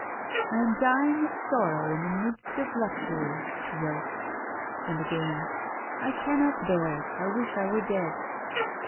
"I am dying of sorrow in the midst of luxury," she wrote. And again. "I cannot bear it. I wish I were dead."